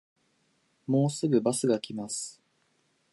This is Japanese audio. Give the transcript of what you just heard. もうすぐバスが来ます